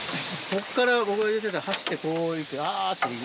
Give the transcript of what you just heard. こっからここへ出てって走ってこう行ってあぁって。